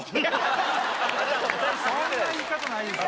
そんな言い方ないです